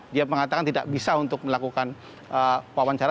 dia mengatakan tidak bisa untuk melakukan wawancara